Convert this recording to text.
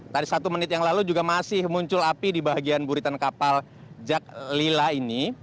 tadi satu menit yang lalu juga masih muncul api di bagian buritan kapal jaklila ini